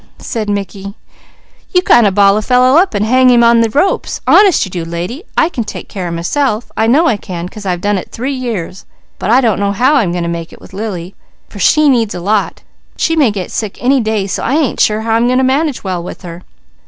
said Mickey. "You kind of ball a fellow up and hang him on the ropes. Honest you do, lady! I can take care of myself. I know I can, 'cause I've done it three years, but I don't know how I'm goin' to make it with Lily, for she needs a lot. She may get sick any day, so I ain't sure how I'm going to manage well with her."